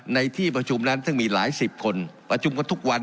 ในที่ประชุมนั้นซึ่งมีหลายสิบคนประชุมกันทุกวัน